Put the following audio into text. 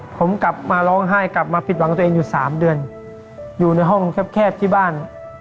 ผมกลับมาร้องไห้กลับมาผิดหวังตัวเองอยู่สามเดือนอยู่ในห้องแคบที่บ้าน